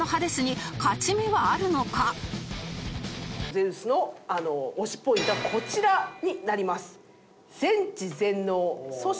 ゼウスの推しポイントはこちらになります。